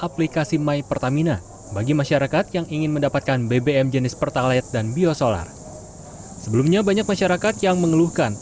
pertamina area bandung